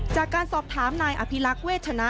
จากการสอบถามนายอภิรักษ์เวชนะ